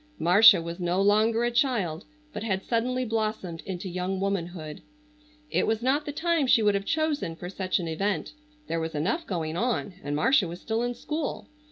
Marcia was no longer a child, but had suddenly blossomed into young womanhood. It was not the time she would have chosen for such an event. There was enough going on, and Marcia was still in school.